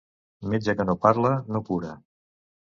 Metge que no parla, no cura.